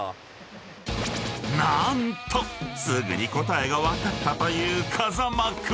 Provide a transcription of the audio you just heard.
［何とすぐに答えが分かったという風間君］